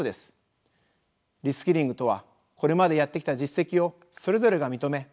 リスキリングとはこれまでやってきた実績をそれぞれが認め